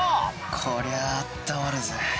こりゃあったまるぜ。